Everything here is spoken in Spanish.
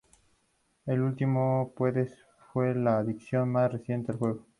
Este último poder fue la adición más reciente al juego.